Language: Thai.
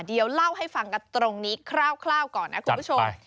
เดี๋ยวเล่าให้ฟังกันตรงนี้คร่าวก่อนนะคุณผู้ชม